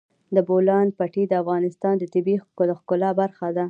د بولان پټي د افغانستان د طبیعت د ښکلا برخه ده.